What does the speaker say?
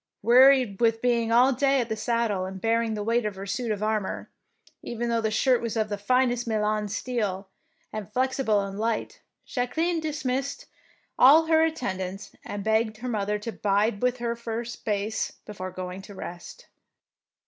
Wearied with being all day in the sad dle and bearing the weight of her suit of armour, even though the shirt was of the finest Milan steel and fiexible and light, Jacqueline dismissed all her at tendants, and begged her mother to bide with her for a space before going to rest.